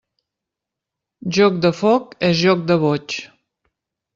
Joc de foc és joc de boig.